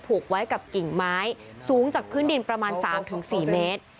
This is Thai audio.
ผูกไว้กับกิ่งไม้สูงจากพื้นดินประมาณ๓๔เมตร